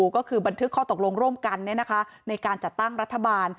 ก็คือบันทึกข้อตกลงร่วมกันในการจัดตั้งรัฐบาล